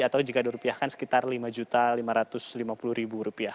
atau jika dirupiahkan sekitar rp lima lima ratus lima puluh